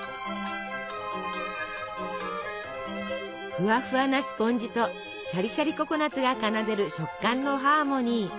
ふわふわなスポンジとシャリシャリココナツが奏でる食感のハーモニー。